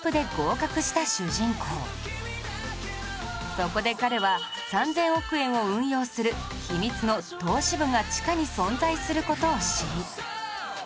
そこで彼は３０００億円を運用する秘密の「投資部」が地下に存在する事を知り